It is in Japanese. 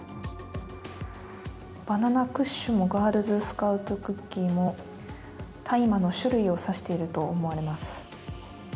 バナナクッシュもガールスカウトクッキーも大麻の種類を指していると思われます。